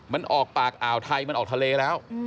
มันออกปากอ่าวไทยมันออกทะเลแล้ว